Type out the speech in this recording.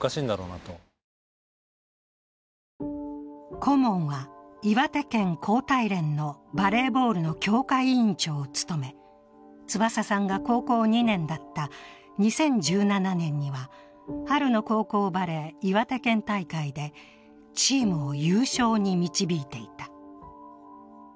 顧問は、岩手県高体連のバレーボールの強化委員長を務め、翼さんが高校２年だった２０１７年には春の高校バレー岩手県大会でチームを優勝に導いていた。